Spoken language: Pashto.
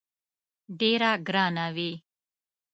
ډېره ګرانه وي.